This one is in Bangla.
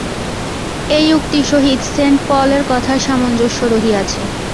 এই উক্তির সহিত সেণ্ট পলের কথার সামঞ্জস্য রহিয়াছে।